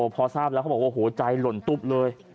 พอทราบแล้วเขาบอกว่าโอ้โหใจหล่นตุ๊บเลย